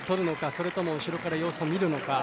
それとも後ろから様子を見るのか。